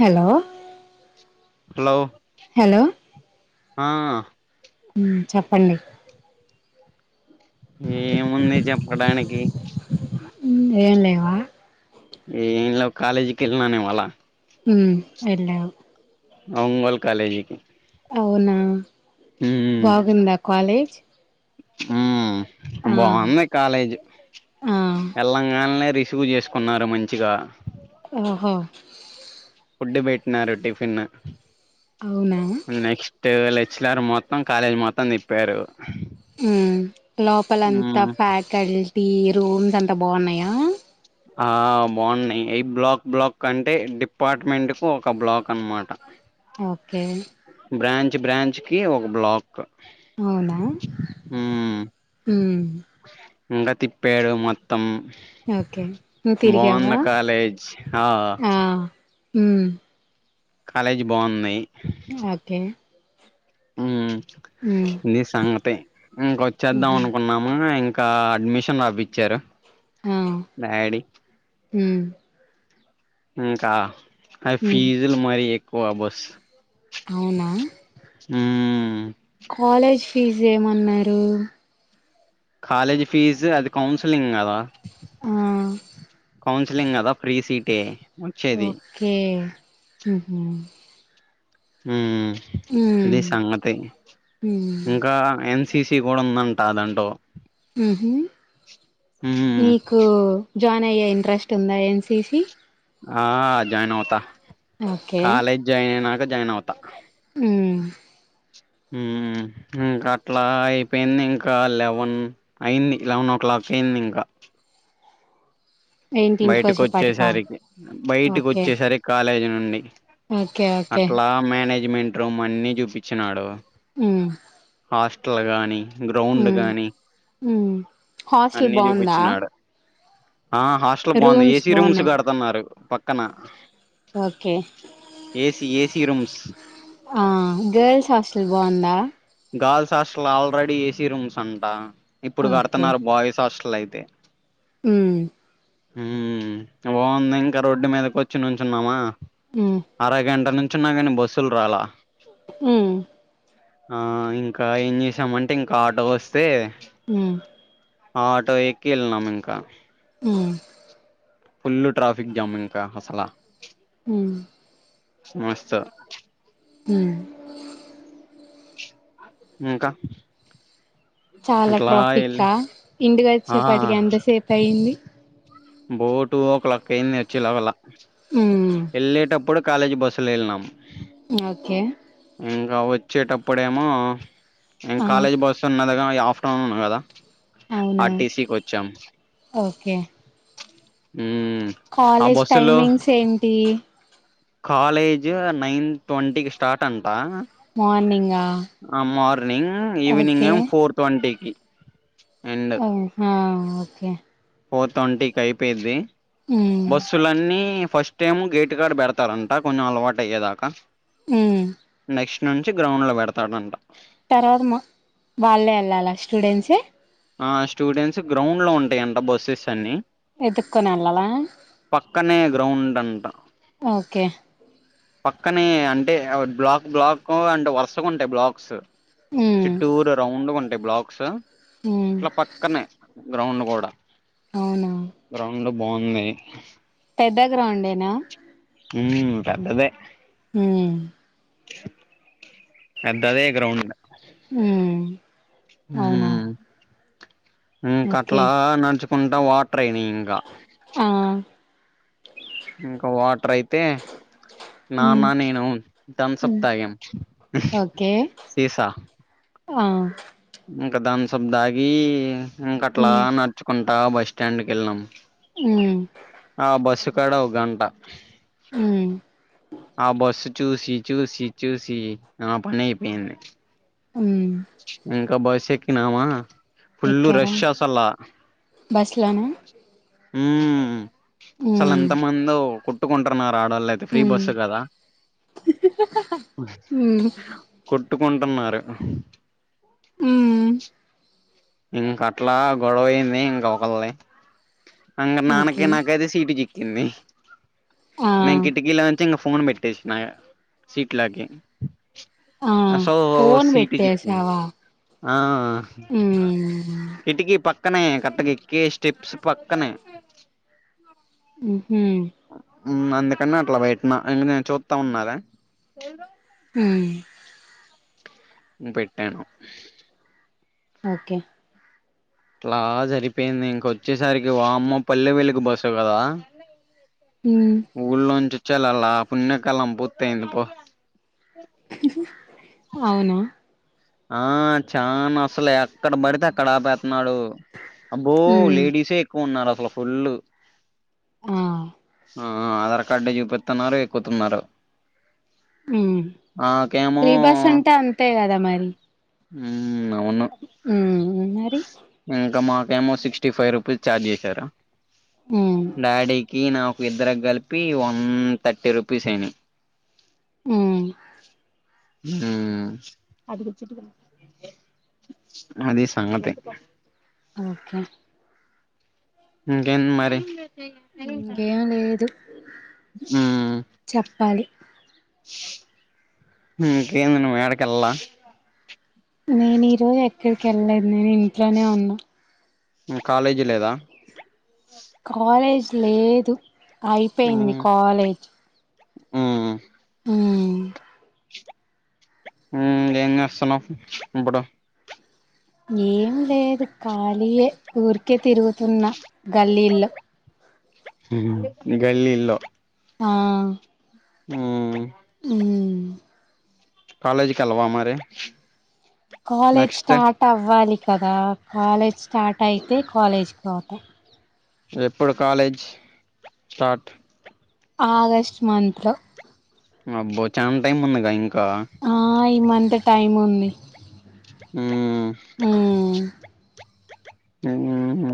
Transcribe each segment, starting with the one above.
Hello hello hello ఆ ఉమ్మ్ చెప్పండి ఏముంది చేప్పడానికి ఉమ్మ్ ఏం లేవా ఏం లేవ్ కాలేజీకి వెళ్ళాను ఇవాళ ఉమ్ వెల్లవ్ ఒంగోల్ కాలేజీకి అవునా మ్మ్ బాగుందా కాలేజ్ ఉమ్ ఆ బాగుంది కాలేజ్ ఆ వెళ్లంగానే రిసీవ్ చేసుకు ఉన్నారు మంచిగా ఓహో ఫుడ్ పెట్టినారు టిఫిన్ అవునా నెక్స్ట్ లెచ్లర్ మొత్తం కాలేజ్ మొత్తం తిప్పారు ఉమ్మ్ లోపలంతా మ్మ్ ఫ్యాకల్టీ రూమ్స్ అంతా బాగున్నాయా ఆ బావున్నాయి ఏ బ్లాక్ బ్లాక్ కంటే డిప్పాట్మెన్కు ఒక బ్లాక్ అన్మాట ఓకే బ్రాంచ్ బ్రాంచ్ కి ఒక బ్లాక్ అవునా మ్మ్ ఉమ్మ్ ఇంకా తిప్పారూ మొత్తం ఒకే నువ్ తిరిగావ బాగున్న కాలేజ్ ఆ ఉమ్మ్ కాలేజీ బాగుంనాయి ఓకే నీ సంగతి ఇంకొచ్చేద్దాం అనుకున్నాం ఉమ్మ్ ఇంకా అడ్మిషన్ అవి ఇచ్చారు డాడీ ఇంకా ఆ ఫీజులు మరి ఎక్కువ బస్ అవునా ఉమ్మ్ కాలేజ్ ఫీజు ఏమన్నారు కాలేజ్ ఫీజ్ అది కౌన్స్లింగ్ కదా ఆ కౌన్సిలింగ్ కదా ఫ్రీ సీటే వచ్చేది కే మ్మ్ఉహ్మ్ ఉమ్మ్ ఇది ఉమ్ సంగతి ఉమ్ ఇంకా ఏం సిసి కూడా ఉందంటా అ దాంట్లో మ్మ్ఉహ్మ్ ఉమ్ నీకు జాయిన్ అయ్యే ఇంట్రెస్ట్ ఉందా ఎన్సిసి ఆ జాయిన్ అవుతా ఓకే కాలేజ్ జాయిన్ అయినాక జాయిన్ అవుతా ఉమ్మ్ ఉమ్మ్ ఇంకా అట్లా అయిపోయింది ఇంకా లెవెన్ అయింది లెవెన్ ఓ క్లాక్ అయింది ఇంకా ఏంటి బయటికి ఇంటికొచ్చేపాటికా వచ్చేసరికి బయటికి ఓకే వచ్చేసరి కాలేజ్ నుండి ఓకే ఓకే అట్లా మేనేజ్మెంట్ రూమ్ అన్ని చూపిచ్చినాడు ఉమ్మ్ హాస్టల్ గాని గ్రౌండ్ ఉమ్ గాని ఉమ్ హాస్టల్ అన్ని బాగుందా చూపిచ్చినాడు ఆ హాస్టల్ బావుంది ఏసీ రూమ్స్ కడుతున్నారు పక్కన ఓకే ఏసి ఏసి రూమ్స్ ఆ గర్ల్స్ హాస్టల్ బాగుందా girls hostel already AC rooms అంట ఇప్పుడు ఓకే కడుతున్నారు బాయ్స్ హాస్టల్ అయితే ఉమ్మ్ ఉమ్మ్ బాగుంది ఇంకా రోడ్డు మీదకి వచ్చి నించున్నామా ఉమ్ అర గంట నుంచున్న గాని బస్సులు రాలా ఉమ్మ్ ఆ ఇంకా ఏం చేసామంటే ఇంకా ఆటో వస్తే ఉమ్మ్ ఆటో ఎక్కి ఎళ్లినం ఇంకా ఉమ్మ్ ఫుల్ ట్రాఫిక్ జామ్ ఇంకా అసల ఉమ్మ్ మస్తూ ఉమ్మ్ ఇంకా చాలా అట్లా వెళ్ళి ట్రాఫికా ఇంటికి ఆ వచ్చేప్పటికి ఎంతసేపు అయింది బో టూ ఓ క్లాక్ అయ్యింది వచ్చిలోపలా ఉమ్మ్ ఎళ్ళేటప్పుడు కాలేజ్ బస్సులో ఎళ్ళినాం ఓకే ఇంకా వచ్చేటప్పుడేమో ఇం ఆ కాలేజ్ బస్ స్తున్నదిగా ఈ ఆఫ్టర్నూన్ కదా అవునా ఆర్టీసీకి వచ్చాం ఒకే ఉమ్మ్ కాలేజ్ టైమింగ్స్ ఏంటి కాలేజూ నైన్ ట్వంటీకి స్టార్ట్ అంట మార్నింగా ఆ మార్నింగ్ ఈవినింగ్ ఓకే ఏం ఫోర్ ట్వన్టీ కి ఓ హ ఓకే ఫోర్ తోంటీకి అయిపోయిద్ది మ్ బస్సులన్నీ ఫస్ట్ టేమో గేటు కాడ పెడతారంట కొంచెం అలవాటు అయ్యేదాక ఉమ్ నెక్స్ట్ నుంచి గ్రౌండ్ లో పెడతారంట తర్వాత మా వాళ్ళే వెళ్ళాల స్టూడెంట్సే ఆ స్టూడెంట్స్ గ్రౌండ్ లో ఉంటాయంట బస్సెస్ అన్ని ఎతుక్కోని వెళ్లాల పక్కనే గ్రౌండ్ అంట ఓకే పక్కనే అంటే బ్లాక్ బ్లాక్ అంటే వరుసగా ఉంటాయి బ్లాక్స్ ఉ చిట్టూర రౌండ్ గ ఉంటాయి బ్లాక్స్ ఉమ్ ఇట్ల పక్కనే గ్రౌండ్ కూడా అవునా గ్రౌండ్ బావుంది పెద్ద గ్రౌండ్ ఏనా ఉమ్ పెద్దదే మ్ పెద్దదే గ్రౌండ్ హు అవునా ఉమ్ ఇంక ఓకే అట్లా నడుచుకుంటా వాటర్ అయినాయి ఇంకా ఆ ఇంక వాటర్ అయితే నాన్న ఉమ్ నేను థంప్సప్ తాగ్యం ఓకే సీసా ఆ ఇంక థంప్సప్ దాగీ ఇంక అట్లా ఉమ్ నడుచుకుంటా బస్ స్టాండ్కి వెళ్లినాాం ఉమ్ ఆ బస్సు కాడ ఒక గంట మ్ ఆ బస్సు చూసి చూసి చూసి నా పని అయిపోయింది ఉ ఇంకా బస్ ఎక్కినాామా ఫుల్లు ఎక్కారా రష్ అసల బస్ లోనా ఉ అసలు ఉమ్ ఎంత మందో కోట్టుకుంటురున్నారు ఆడోళ్ళు అయి తె ఫ్రీ ఉమ్ బస్ కదా ఉమ్ కొట్టుకుంటున్నారు ఉ ఇంక అట్లా గొడవ అయింది ఇంక ఒకలది ఇంక నాన్నకి ఓకే నాకైతే సీటు చిక్ కిందు ఆ నేన్ కిటికీలోంచి ఫోన్ పెట్ టేసిన ఇగ సీట్ లకి ఆ అసో ఫోన్ సీట్ చిక్కింది పెట్టేసావా ఆ ఉమ్ కిటికీ పక్కనే కరెక్ట్ గా ఎక్కి స్టెప్స్ పక్కనే ఉహు అందుకనీ అట్లా పెట్టినా ఇంక నేను చూస్తా ఉన్నాలే ఏం రోయ్ హ్మ్ న్ పెట్టాను ఓకే ట్లా సరిపోయింది ఇంకొచ్చేసరికి వామ్మో పల్లె వెలుగు బస్సు కదా హూ ఊళ్ళో నుంచి వచ్చేలల్ల పున్నె కలాం పూర్తి అయ్యింది పో అవునా ఆ చానా అసలే ఎక్కడ పడితే అక్కడ ఆపేతున్నాడు అబ్బో ఉమ్ లేడీసే ఎక్కువ ఉన్నారు అసలు ఫుల్ ఆ ఆ ఆధార్ కార్డు చూపిస్తున్నారు ఎక్కుతున్నారు నాకేమో ఫ్రీ బస్ అంటే అంతే కదా మరి హ్మ్ అవును హూ మరి ఇంకా మాకేమో సిక్స్టీ ఫైవ్ రూపీస్ ఛార్జ్ చేశారు హ్మ్ డాడీకి నాకు ఇద్దరకి కలిపి వన్ థర్టీ రూపీస్ అయినాయి. హ్మ్ హ్మ్ అది సంగతి ఓకే ఇంకేం మరి ఇంకేం లేదు మ్మ్ చెప్పాలి ఇంకేంది నువ్ యాడికెళ్ళలా నేను ఈ రోజు ఎక్కడికి వెళ్లేదు నేను ఇంట్లోనే ఉన్నా హు కాలేజీ లేదా కాలేజ్ లేదు అయిపోయింది మ్మ్ కాలేజ్ మ్మ్ హుమ్ హూ ఏం చేస్తున్నావు ఇప్పుడు ఏం లేదు ఖాళీయే ఊరికే తిరుగుతున్న గల్లీల్లో హు హుమ్ గల్లిల్లో ఆ హు ఉమ్ కాలేజ్ కి కేలవ్వా మరి కాలేజ్ నెక్స్ట్ స్టార్ట్ అవ్వాలి కదా, కాలేజ్ స్టార్ట్ అయితే కాలేజ్కి పోతా. ఎప్పుడు కాలేజ్ స్టార్ట్ ఆగస్ట్ మంత్ లో అబ్బో చానా టైమ్ ఉందిగా ఇంకా ఆ ఈ మంత్ టైం ఉంది హుమ్ ఉమ్ హు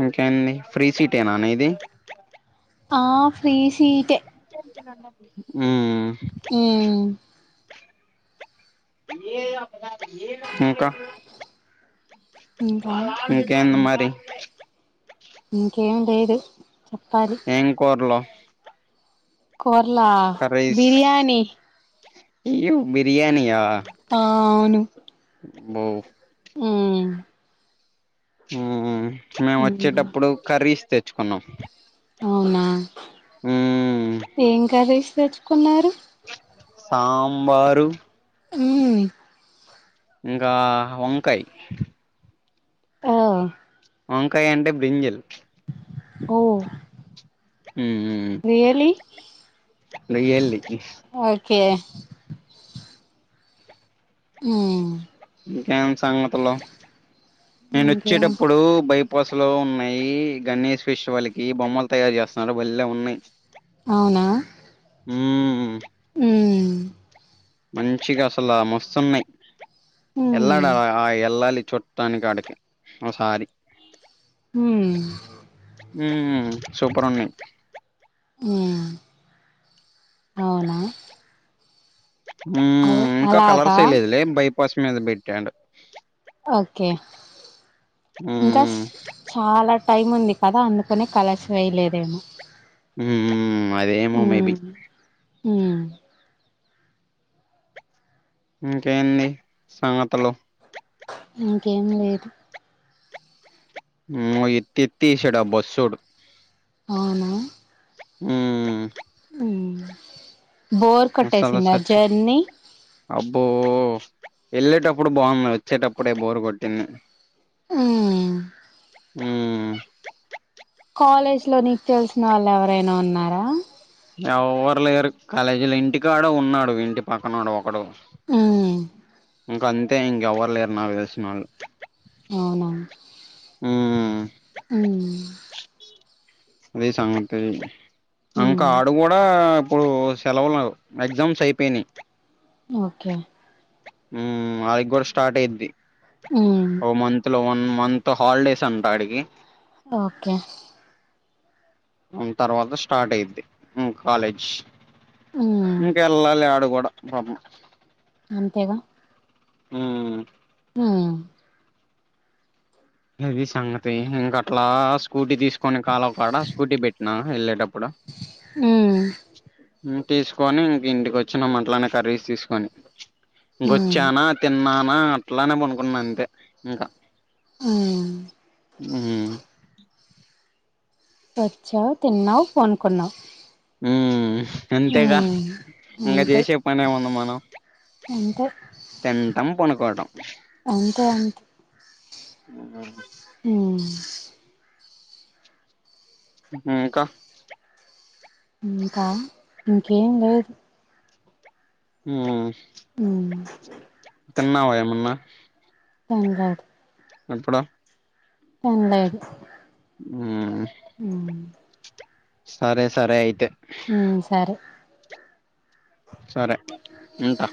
ఇంకేంది ఫ్రీ సీట్ ఏనా నీది ఆ ఫ్రీ సీట్ ఏ హుమ్ హూ ఇంకా ఇంకా ఇంకా ఇంకేంది మరి ఇంకేం లేదు చెప్పాలి కుర్లు కుర్లా బిర్యానీ బిర్యానియా ఆ అవును బో మ్ మ్ మేము ఉమ్ వచ్చేటప్పుడు కర్రీస్ తెచ్చుకున్నాం అవునా మ్మ్ ఏం కర్రీస్ తెచ్చుకున్నారు సాంబారు మ్ ఇంకా వంకయ్ ఆ వంకాయ్ అంటే బ్రింజల్ ఓ మ్ మ్ రియ్యళ్ళి రియల్లీ ఓకే మ్ ఇంకేం సంగతులు నేను ఇంకా వచ్చేటప్పుడు బయ్ ఉపసులో ఉన్నాయి గణేష్ ఫాస్టివెల్ కి బొమ్మలు తయారు చేస్తున్నారు బలే ఉన్నాయి అవునా మ్ మ్ మ్ మంచిగా అసలు మస్తున్నాయి ఉమ్ ఎల్లాడ ఆ ఎల్లాలి చుట్ ట్టనికాడికి ఓ సారి మ్ మ్ సూపర్ ఉంది మ్ అవునా అవ్ హ్మ్ ఇంకా అలాగా కలర్స్యలేదులే బైపాస్ మీద బేట్టాండు ఒకే మ్ పస్ చాలా టైం ఉంది కదా అందుకునే కలర్స్ వేయలేదేమో మ్ మ్ అదేమో మేబి మ్ ఇంకేంది సంగతులు ఇంకేం లేదు అమ్మో ఏత్తి ఏత్తెసాడు ఆ బస్సోడు అవునా మ్ మ్ బోర్ అసలు కొట్టేసింది సచ్ జర్నీ అబ్బో వెళ్ళేటప్పుడు బాగుంది వచ్చేటప్పుడే బోరు కొట్టింది ఉమ్ ఉమ్ కాలేజ్ లో నీకు తెలిసిన వాళ్ళు ఎవరైనా ఉన్నారా? ఎవ్వరు లేరు కాలేజీలో ఇంటి కాడ ఉన్నాడు ఇంటి పక్కనోడు ఒకడు ఊమ్ ఇంక అంతే ఇంకెవ్వరు లేరు నా తెలిసిన వాళ్ళు అవునా? ఊమ్ ఉమ్ అది సంగతి ఇంకా ఉమ్ ఆడు కూడా ఇప్పుడు సెలవులు ఎగ్జామ్స్ ఐపేనాయ్ ఓకే ఉమ్ వాడికి కూడా స్టార్ట్ అయిద్ది ఉమ్ ఓ మంత్ లో వన్ మంత్ హాలిడేస్ అంట ఆడికి ఒకే మ్ తర్వాత స్టార్ట్ అయిద్ది కాలేజ్ ఉమ్ ఇంకెళ్ళాలే ఆడు కూడా పాపమ్ అంతేగా ఉమ్ ఉమ్ ఇది సంగతి ఇంక అట్లా స్కూటీ తీస్కొని కాలవ కాడ స్కూటీ పెట్టినా వెళ్ళేటప్పుడు హ్ము్ ఇం తీసుకొని ఇంక ఇంటికి వచ్చినం అట్లనే కర్రీస్ తీసుకొని ఉమ్ ఇంకొచ్చానా తిన్నానా అట్లానే పనుకున్నా అంతే ఇంకా ఉమ్ ఊమ్ వచ్చావ్ తిన్నావు పన్కున్నావ్ ఉమ్ అంతేగా ఇంగ అంతే చేసే పని ఏముంది మనం అంతే తింటం పొనుకోవటం అంతే అంతే ఉ ఉమ్ ఉమ్ ఇంకా ఇంకా ఇంకేం లేదు ఉమ్ ఉమ్ తిన్నావ ఏమన్నా? ఏం కాదు ఎప్పుడు తిన్లేదు ఉమ్ ఊమ్ సరే సరే అయితే ఉమ్ సరే సరే ఉంటా